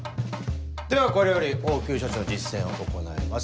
ではこれより応急処置の実践を行います。